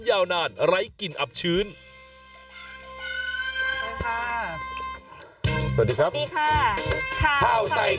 ยาวนานไร้กลิ่นอับชื้นสวัสดีครับสวัสดีครับครับ